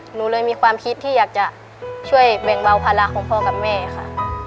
หนูเลยมีความคิดที่อยากจะช่วยแบ่งเบาภาระของพ่อกับแม่ค่ะ